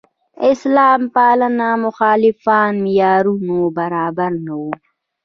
اسلام پاله مخالفان معیارونو برابر نه وو.